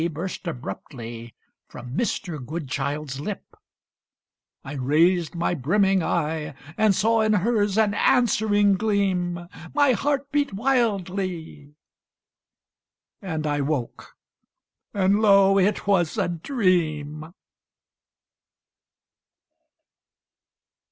burst abruptly from Mr. Goodchild's lip: I raised my brimming eye, and saw in hers an answering gleam My heart beat wildly and I woke, and lo! it was a dream.